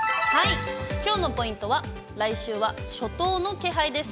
きょうのポイントは、来週は初冬の気配です。